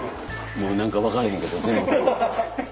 もう何か分からへんけど全部。